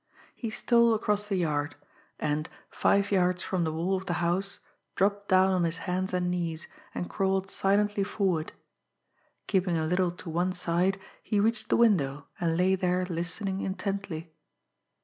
He stole across the yard, and, five yards from the wall of the house, dropped down on his hands and knees, and crawled silently forward. Keeping a little to one side, he reached the window, and lay there listening intently.